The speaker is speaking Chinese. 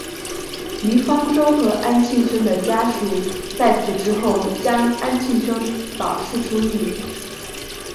于方舟和安幸生的家属在此之后将安幸生保释出狱。